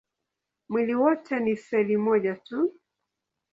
Mwili wote ni seli moja tu.